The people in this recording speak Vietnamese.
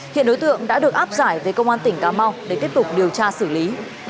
hiện đối tượng đã được áp giải về công an tỉnh cà mau để tiếp tục điều tra xử lý